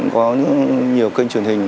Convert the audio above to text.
có nhiều kênh truyền hình